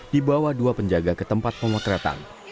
dibawa dua penjaga ke tempat pemotretan